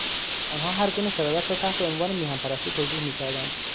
آنها هرگونه شرارت را تحت عنوان میهن پرستی توجیه میکردند.